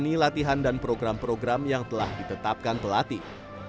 dan menjalani latihan dan program program yang telah ditetapkan pelatih